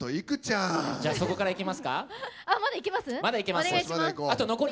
じゃあそこから、いきますか。